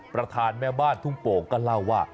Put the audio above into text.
ประธานแม่บ้านทุ่งโป่งก็เล่าว่า